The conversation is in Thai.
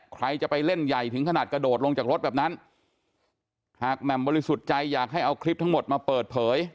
ใครจะไปเล่นใหญ่ถึงขนาดกระโดดลงจากรถแบบนั้นหากแหม่มบริสุทธิ์ใจอยากให้เอาคลิปทั้งหมดมาเปิดเผย